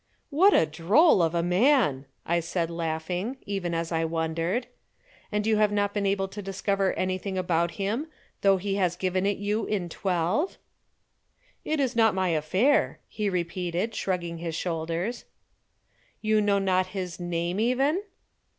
"What a droll of a man!" I said laughing, even as I wondered. "And you have not been able to discover anything about him, though he has given it you in twelve?" "It is not my affair," he repeated, shrugging his shoulders. "You know not his name even?"